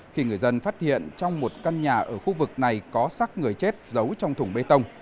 khi người dân phát hiện trong một căn nhà ở khu vực này có sắc người chết giấu trong thùng bê tông